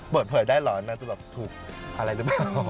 เปิดเผยได้หรอนางจะถูกอะไรรึเปล่า